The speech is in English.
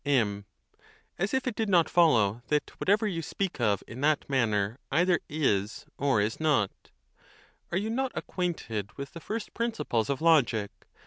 M. As if it did not follow that whatever you speak of ON THE CONTEMPT OF DEATH. 15 in that manner either is or is not. Are you not acquaint ed with the first principles of logic?